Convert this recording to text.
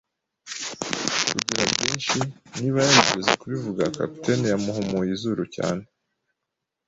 kugira byinshi. Niba yarigeze kubivuga, capitaine yamuhumuye izuru cyane